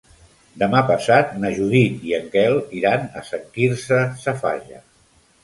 Demà passat na Judit i en Quel iran a Sant Quirze Safaja.